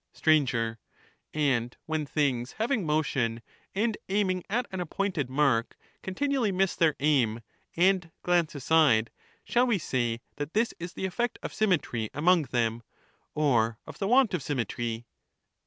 Str, And when things having motion, and aiming at an appointed mark, continually miss their aim and glance aside, ehall we say that this is the effect of symmetry among them, or of the want of symmetry